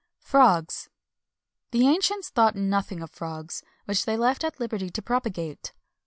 [XXI 270] FROGS. The ancients thought nothing of frogs, which they left at liberty to propagate.